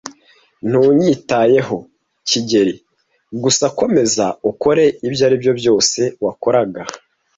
Ntunyitayeho, kigeli. Gusa komeza ukore ibyo aribyo byose wakoraga.